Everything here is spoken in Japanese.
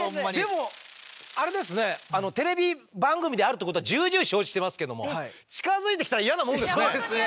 でもあれですねテレビ番組であるってことは重々承知してますけども近づいてきたらイヤなもんですね。